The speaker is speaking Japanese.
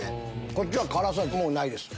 こっちは辛さないです